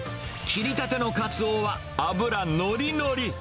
切りたてのかつおは脂のりのり。